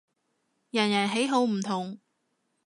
人人喜好唔同